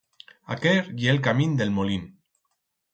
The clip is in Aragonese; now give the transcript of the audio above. Aquer ye el camín d'el molín.